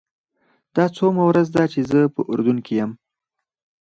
دا څوومه ورځ ده چې زه په اردن کې یم.